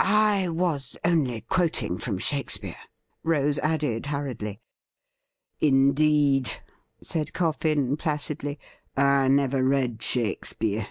•I was only quoting from Shakespeare,' Rose added hurriedly. ' Indeed,' said Coffin placidly ;' I never read Shake speare.